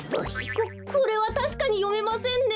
ここれはたしかによめませんねえ。